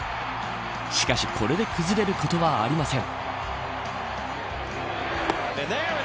しかし、これで崩れることはありません。